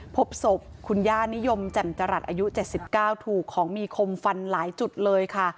พบศพคุณย่านิยมแจ่มจรัสอายุ๗๙ถูกของมีคมฟันหลายจุดเลยค่ะ